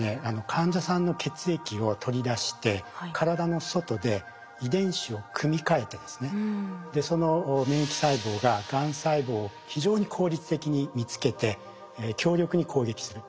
患者さんの血液を取り出して体の外で遺伝子を組み換えてですねその免疫細胞ががん細胞を非常に効率的に見つけて強力に攻撃する。